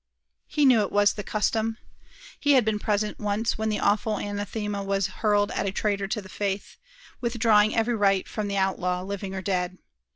He knew it was the custom. He had been present once when the awful anathema was hurled at a traitor to the faith, withdrawing every right from the outlaw, living or dead.